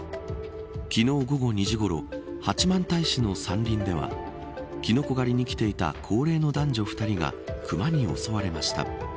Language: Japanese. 昨日午後２時ごろ八幡平市の山林ではキノコ狩りに来ていた高齢の男女２人がクマに襲われました。